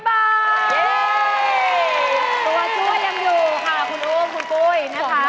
ตัวช่วยยังอยู่ค่ะคุณอุ้มคุณปุ้ยนะคะ